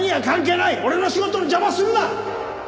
俺の仕事の邪魔するな！